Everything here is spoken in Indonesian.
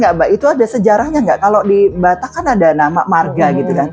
enggak mbak itu ada sejarahnya nggak kalau di batak kan ada nama marga gitu kan